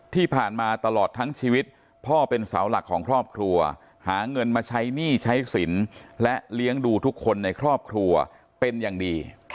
ที่ผ่านมาตลอดทั้งชีวิตพ่อเป็นเสาหลักของครอบครัวหาเงินมาใช้หนี้ใช้สินและเลี้ยงดูทุกคนในครอบครัวเป็นอย่างดี